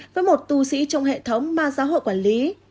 với một tù sĩ trong hệ thống mà xã hội quản lý